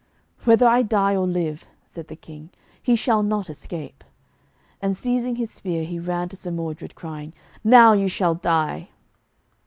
'Whether I die or live,' said the King, 'he shall not escape.' And seizing his spear he ran to Sir Modred, crying, 'Now you shall die.'